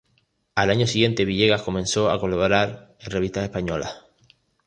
Al año siguiente, Villegas comenzó a colaborar en revistas españolas.